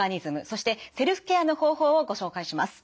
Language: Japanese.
そしてセルフケアの方法をご紹介します。